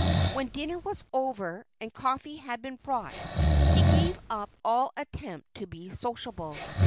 When dinner was over, and coffee had been brought, he gave up all attempt to be sociable.